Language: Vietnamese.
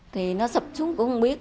thì nó sập trúng cũng không biết